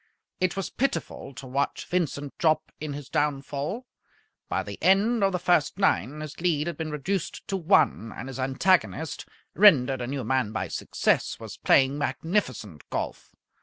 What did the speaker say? It was pitiful to watch Vincent Jopp in his downfall. By the end of the first nine his lead had been reduced to one, and his antagonist, rendered a new man by success, was playing magnificent golf.